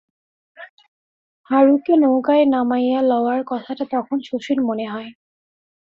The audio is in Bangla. হারুকে নৌকায় নামাইয়া লওয়ার কথাটা তখন শশীর মনে হয়।